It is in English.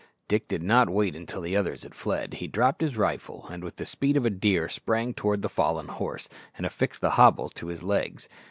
Dick did not wait until the others had fled. He dropped his rifle, and with the speed of a deer sprang towards the fallen horse, and affixed the hobbles to his legs.